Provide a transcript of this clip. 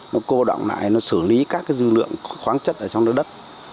nó cô động lại nó xử lý các cái dư lượng khoáng chất ở trong đất